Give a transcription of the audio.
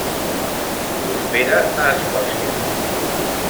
Prospera a Escòcia.